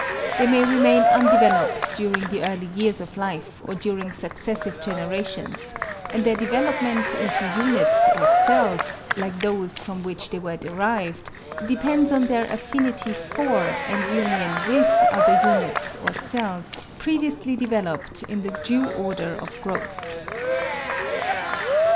They may remain undeveloped during the early years of life or during successive generations; and their development into units or cells, like those from which they were derived, depends on their affinity for, and union with other units or cells previously developed in the due order of growth.